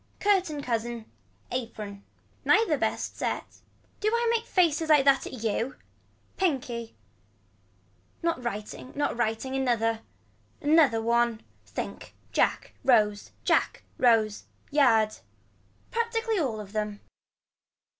Curtain cousin. Apron. Neither best set. Do I make faces like that at you. Pinkie. Not writing not writing another. Another one. Think. Jack Rose Jack Rose. Yard. Practically all of them.